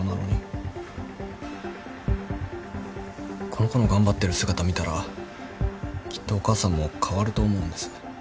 この子の頑張ってる姿見たらきっとお母さんも変わると思うんです。